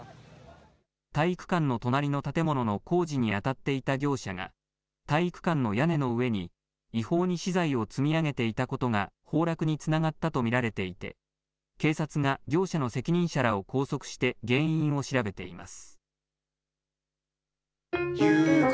体育館の隣の建物の工事に当たっていた業者が、体育館の屋根の上に、違法に資材を積み上げていたことが崩落につながったと見られていて、警察が業者の責任者らを拘束して原因を調べています。